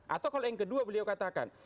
atau kalau yang kedua beliau katakan